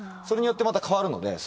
それによってまた変わるので。